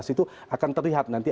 itu akan terlihat nanti